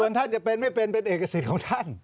ส่วนท่านจะเป็นไม่เป็นเป็นเอกสิทธิ์ของท่าน